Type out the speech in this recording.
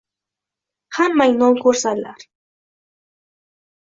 Hammang nonko`rsanlar